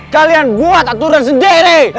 kalian buat aturan sendiri